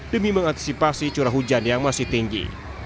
demi mengantisipasi curah hujan yang masih tinggi